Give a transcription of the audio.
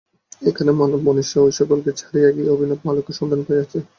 এখানে মানব-মনীষা ঐ-সকলকে ছাড়াইয়া গিয়া অভিনব আলোকের সন্ধান পাইয়াছে।